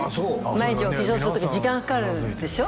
毎日お化粧する時時間かかるでしょ？